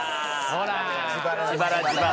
ほら。